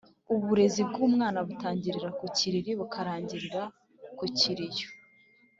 Uburezi bw’umwana butangirira ku kiriri bukarangirira ku kiriyo.